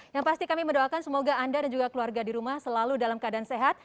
yang pasti kami mendoakan semoga anda dan juga keluarga di rumah selalu dalam keadaan sehat